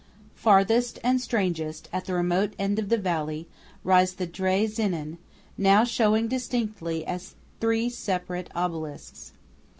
Farthest and strangest, at the remote end of the valley, rise the Drei Zinnen, now showing distinctly as three separate obelisks.